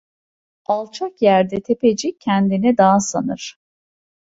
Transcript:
Alçak yerde tepecik kendisini dağ sanır.